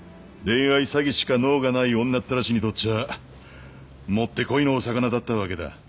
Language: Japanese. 恋愛詐欺しか能がない女ったらしにとっちゃ持ってこいのオサカナだったわけだ。